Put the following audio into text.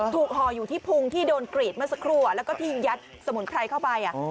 ห่ออยู่ที่พุงที่โดนกรีดเมื่อสักครู่แล้วก็ที่ยัดสมุนไพรเข้าไป